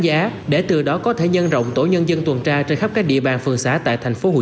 giá để từ đó có thể nhân rộng tổ nhân dân tuần tra trên khắp các địa bàn phường xã tại thành phố hồ